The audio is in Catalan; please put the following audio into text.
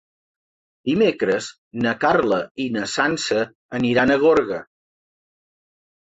Dimecres na Carla i na Sança aniran a Gorga.